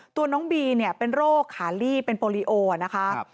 ตัวน้องบีเนี่ยเป็นโรคขาลี่เป็นโปรลีโอนะคะ